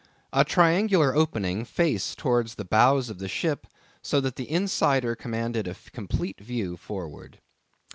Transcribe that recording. A triangular opening faced towards the bows of the ship, so that the insider commanded a complete view forward.